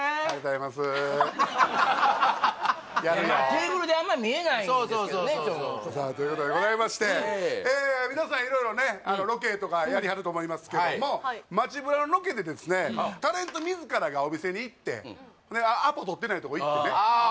テーブルであんまり見えないんですけどねさあということでございまして皆さん色々ねロケとかやりはると思いますけども街ブラロケでですねタレント自らがお店に行ってアポ取ってないとこ行ってねああ